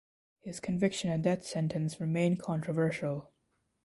His conviction and death sentence remain controversial.